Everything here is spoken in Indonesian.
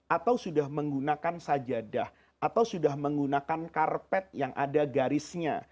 atau sudah menggunakan sajadah atau sudah menggunakan karpet yang ada garisnya